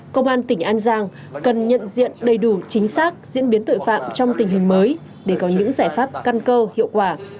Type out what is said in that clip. công an tỉnh an giang cần nhận diện đầy đủ chính xác diễn biến tội phạm trong tình hình mới để có những giải pháp căn cơ hiệu quả